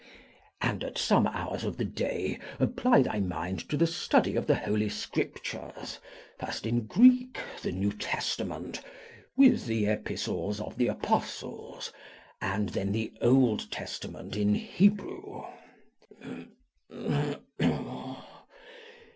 And at some hours of the day apply thy mind to the study of the Holy Scriptures; first in Greek, the New Testament, with the Epistles of the Apostles; and then the Old Testament in Hebrew.